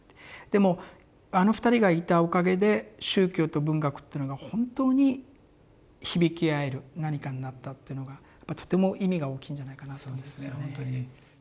でもあの２人がいたおかげで宗教と文学っていうのが本当に響き合える何かになったっていうのがとても意味が大きいんじゃないかなと思うんですよね。